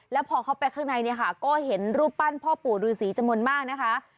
แล้วพอเข้าไปข้างในเนี่ยค่ะก็เห็นรูปปั้นพ่อปู่ฤษีจำนวนมากนะคะ